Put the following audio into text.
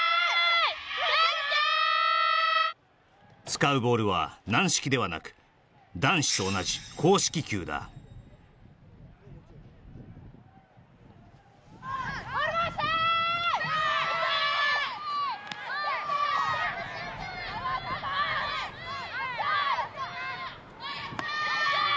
使うボールは軟式ではなく男子と同じ硬式球だボール回しはーい！